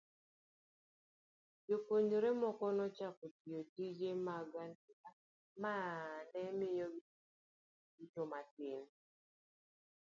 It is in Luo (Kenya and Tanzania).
Jopuonjre moko nochako tiyo tije mag andika ma ne miyo gibedo gi yuto matin.